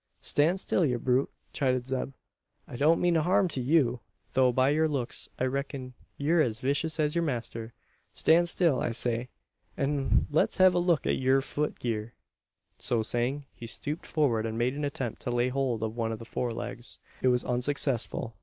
"Stan' still, ye brute!" chided Zeb. "I don't mean no harm to you, tho' by yur looks I reck'n ye're as vicious as yur master. Stan' still, I say, an let's hev a look at yur fut gear!" So saying, he stooped forward, and made an attempt to lay hold of one of the fore legs. It was unsuccessful.